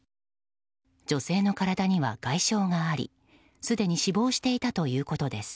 女性の体には外傷がありすでに死亡していたということです。